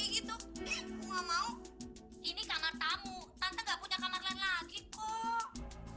gitu enggak mau ini kamar tamu tante gak punya kamar lain lagi kok